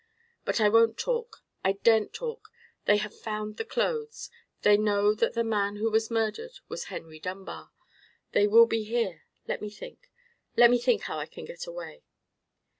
But I won't talk—I daren't talk: they have found the clothes; they know that the man who was murdered was Henry Dunbar—they will be here—let me think—let me think how I can get away!"